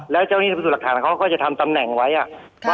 และเจ้าหน้าที่พิสูจน์หลักฐานครับเขาก็จะทำแปลงไว้ว่า